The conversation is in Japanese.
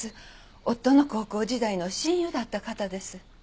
夫の高校時代の親友だった方です。